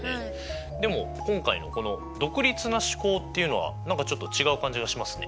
でも今回のこの「独立な試行」っていうのは何かちょっと違う感じがしますね。